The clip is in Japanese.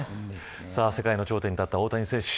世界の頂点に立った大谷選手。